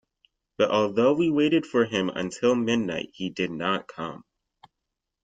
But although we waited for him until midnight he did not come.